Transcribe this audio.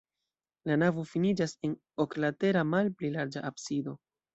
La navo finiĝas en oklatera, malpli larĝa absido.